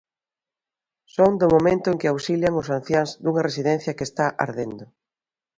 Son do momento en que auxilian os anciáns dunha residencia que está ardendo.